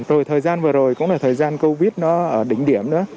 rồi thời gian vừa rồi cũng là thời gian covid nó ở đỉnh điểm nữa